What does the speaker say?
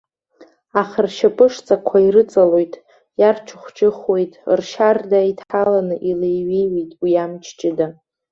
Аха ршьапы-шҵақәа ирыҵалоит, иарчыхәчыхәуеит, ршьарда иҭалан илеиҩеиуеит уи амч ҷыда.